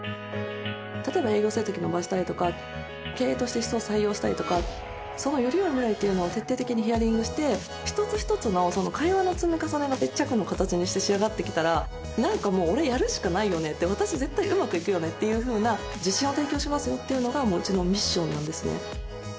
例えば営業成績伸ばしたいとか経営として人を採用したいとかそのより良い未来っていうのを徹底的にヒアリングして一つ一つのその会話の積み重ねが一着の形にして仕上がってきたらなんかもう俺やるしかないよねって私絶対うまくいくよねっていうふうな自信を提供しますよっていうのがもううちのミッションなんですね